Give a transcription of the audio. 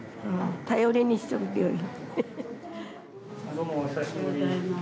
どうもお久しぶり。